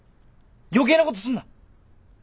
余計なことすんな。